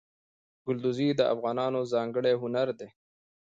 ګلدوزي د افغانانو ځانګړی هنر دی.